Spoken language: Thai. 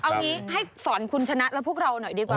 เอางี้ให้สอนคุณชนะและพวกเราหน่อยดีกว่า